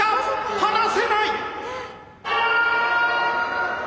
離せない！